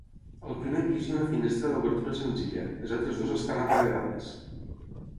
Al primer pis hi ha una finestra d'obertura senzilla, les altres dues estan aparedades.